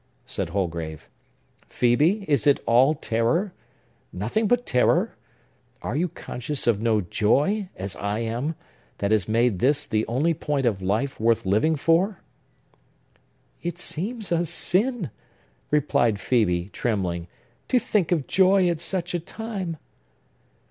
said Holgrave. "Phœbe, is it all terror?—nothing but terror? Are you conscious of no joy, as I am, that has made this the only point of life worth living for?" "It seems a sin," replied Phœbe, trembling, "to think of joy at such a time!"